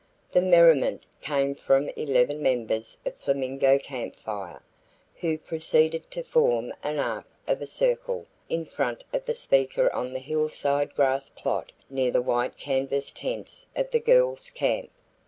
The merriment came from eleven members of Flamingo Camp Fire, who proceeded to form an arc of a circle in front of the speaker on the hillside grass plot near the white canvas tents of the girls' camp.